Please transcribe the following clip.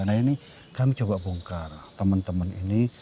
nah ini kami coba bongkar teman teman ini